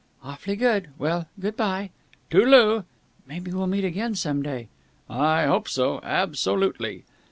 "Awfully good.... Well, good bye." "Toodle oo!" "Maybe we'll meet again some day." "I hope so. Absolutely!"